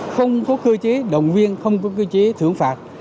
không có cơ chế động viên không có cơ chế thưởng phạt